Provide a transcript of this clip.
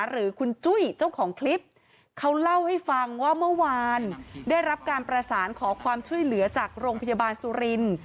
หรือคุณจุ้ยเจ้าของคลิปเขาเล่าให้ฟังว่าเมื่อวานได้รับการประสานขอความช่วยเหลือจากโรงพยาบาลสุรินทร์